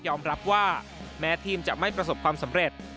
รับว่าแม้ทีมจะไม่ประสบความสำเร็จ